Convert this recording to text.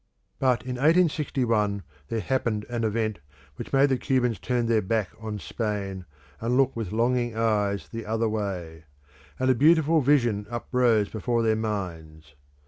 But in 1861 there happened an event which made the Cubans turn their back on Spain, and look with longing eyes the other way; and a beautiful vision uprose before their minds.